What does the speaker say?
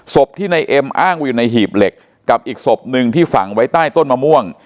ศพที่ในเอ็มอ้างว่าอยู่ในหีบเหล็กกับอีกศพหนึ่งที่ฝังไว้ใต้ต้นมะม่วง